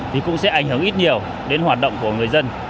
thì cũng sẽ ảnh hưởng ít nhiều đến hoạt động của người dân